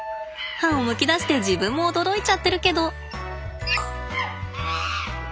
歯をむき出して自分も驚いちゃってるけど！